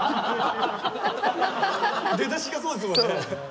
出だしがそうですもんね。